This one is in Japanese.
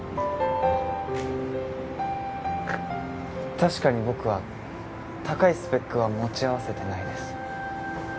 確かに僕は高いスペックは持ち合わせてないです